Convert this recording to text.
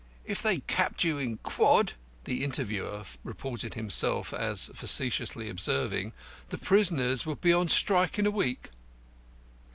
"If they clapped you in quod," the interviewer reported himself as facetiously observing, "the prisoners would be on strike in a week."